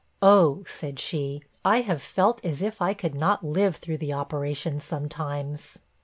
'Oh!' said she, 'I have felt as if I could not live through the operation sometimes.